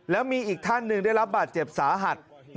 แล้วมีอีกท่านหนึ่งได้รับบาดเจ็บสาหัส